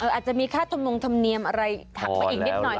อาจจะมีค่าทำนวงทำเนียมอะไรถักไปอีกนิดหน่อย